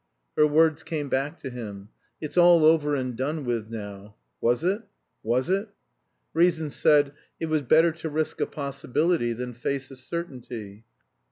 Her words came back to him: "It's all over and done with now." Was it? Was it? Reason said: It was better to risk a possibility than face a certainty.